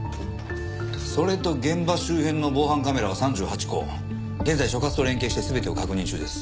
それと現場周辺の防犯カメラは３８個現在所轄と連携して全てを確認中です。